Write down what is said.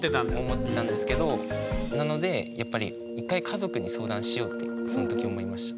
思ってたんですけどなのでやっぱり１回家族に相談しようってその時思いました。